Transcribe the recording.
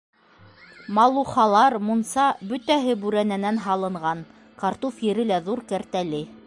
Малухалар, мунса - бөтәһе бүрәнәнән һалынған, картуф ере лә ҙур, кәртәле.